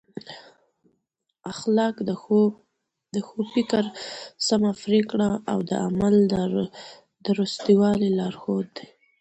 اخلاق د ښو فکر، سمه پرېکړه او د عمل د درستوالي لارښود دی.